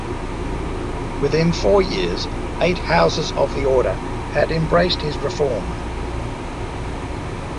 Within four years, eight houses of the Order had embraced his reform.